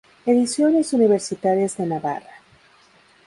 Ediciones Universitarias de Navarra